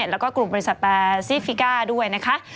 เอาของมาฝากพี่ด้วยค่ะ